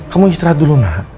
kamu istirahat dulu mak